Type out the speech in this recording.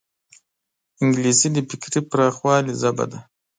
انګلیسي د فکري پراخوالي ژبه ده